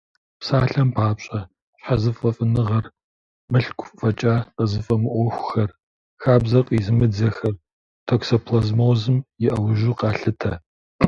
Псалъэм папщӏэ, щхьэзыфӏэфӏыныгъэр, мылъку фӏэкӏа къызыфӏэмыӏуэхухэр, хабзэр къизымыдзэхэр токсоплазмозым и ӏэужьу къалъытэ.